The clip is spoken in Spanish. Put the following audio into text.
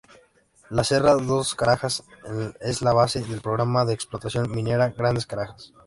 La Serra dos Carajás es la base del programa de explotación minera Grande Carajás.